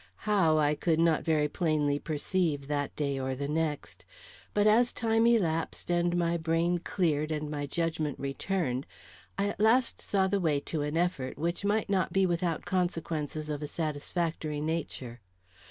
How, I could not very plainly perceive that day or the next, but as time elapsed and my brain cleared and my judgment returned, I at last saw the way to an effort which might not be without consequences of a satisfactory nature.